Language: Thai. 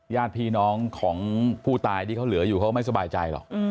ญาติพี่น้องของผู้ตายที่เขาเหลืออยู่เขาก็ไม่สบายใจหรอก